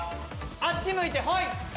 あっち向いてホイ！